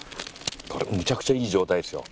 これむちゃくちゃいい状態ですよ。